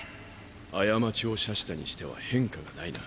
過ちを謝したにしては変化が無いな。